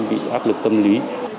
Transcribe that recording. bị áp lực tâm lý